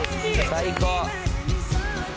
最高！」